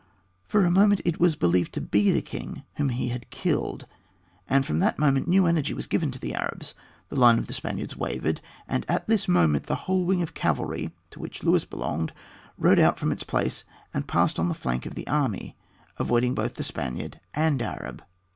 For a moment it was believed to be the king whom he had killed, and from that moment new energy was given to the Arabs. The line of the Spaniards wavered; and at this moment the whole wing of cavalry to which Luis belonged rode out from its place and passed on the flank of the army, avoiding both Spaniard and Arab.